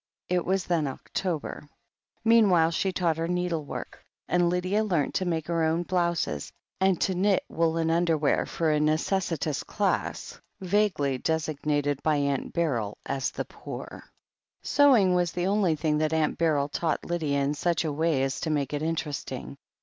It was then October. Meanwhile she taught her needlework, and Lydia learnt to make her own blouses, and to knit woollen underwear for a necessitous class vaguely designated by Aimt Beryl as "the pore." Sewing was the only thing that Atmt Beryl taught Lydia in such a way as to make it interesting.